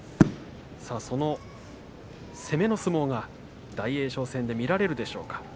攻めの相撲が大栄翔戦で見られるでしょうか。